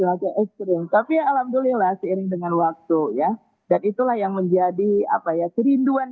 agak ekstrim tapi alhamdulillah seiring dengan waktu ya dan itulah yang menjadi apa ya kerinduan